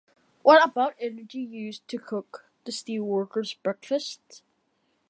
What about the energy used to cook the steelworker's breakfasts?